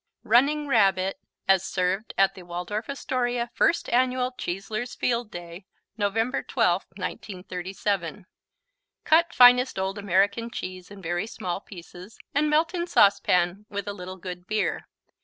Running Rabbit (as served at the Waldorf Astoria, First Annual Cheeselers Field Day, November 12,1937) Cut finest old American cheese in very small pieces and melt in saucepan with a little good beer.